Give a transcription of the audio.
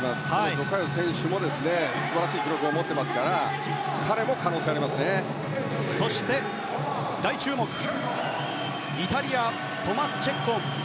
ジョ・カヨ選手も素晴らしい記録を持っていますからそして大注目イタリア、トマス・チェッコン。